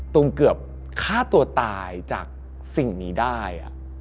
เกือบฆ่าตัวตายจากสิ่งนี้ได้